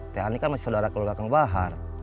teh ani kan masih saudara keluarga kang bahar